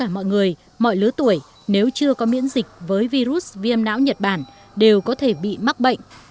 mọi người mọi lứa tuổi nếu chưa có miễn dịch với virus viêm não nhật bản đều có thể bị mắc bệnh